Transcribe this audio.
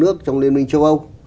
nước trong liên minh châu âu